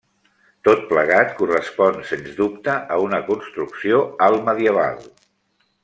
Tot plegat correspon sens dubte a una construcció altmedieval.